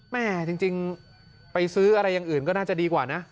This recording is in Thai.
แม่จริงไปซื้ออะไรอย่างอื่นก็น่าจะดีกว่านะ